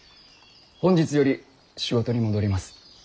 本日より仕事に戻ります。